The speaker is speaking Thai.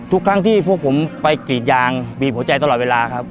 ทุกครั้งที่พวกผมไปกรีดยางบีบหัวใจตลอดเวลาครับ